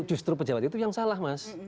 justru pejabat itu yang salah mas